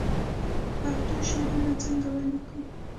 پښتو شعرونه څنګه ولیکو